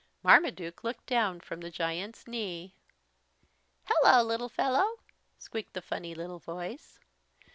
Marmaduke looked down from the giant's knee. "Hello, little fellow," squeaked the funny little voice.